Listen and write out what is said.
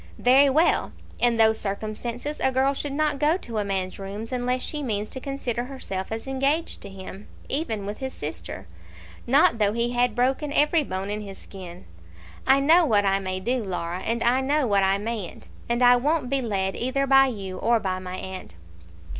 "Very well. In those circumstances a girl should not go to a man's rooms unless she means to consider herself as engaged to him, even with his sister; not though he had broken every bone in his skin. I know what I may do, Laura, and I know what I mayn't; and I won't be led either by you or by my aunt."